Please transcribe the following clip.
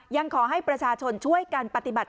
ยังขอให้ประชาชนช่วยกันปฏิบัติ